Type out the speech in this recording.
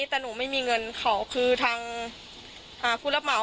สุดท้ายตัดสินใจเดินทางไปร้องทุกข์การถูกกระทำชำระวจริงและตอนนี้ก็มีภาวะซึมเศร้าด้วยนะครับ